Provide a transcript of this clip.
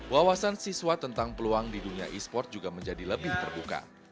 wawasan siswa tentang peluang di dunia e sport juga menjadi lebih terbuka